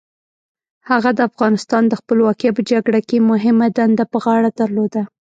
هغه د افغانستان د خپلواکۍ په جګړه کې مهمه دنده په غاړه درلوده.